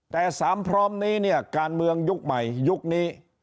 แต่สามพร้อมนี้เนี่ยการเมืองยุคใหม่ยุคนี้